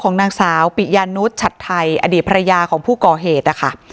นางสาวปิยานุษย์ชัดไทยอดีตภรรยาของผู้ก่อเหตุนะคะ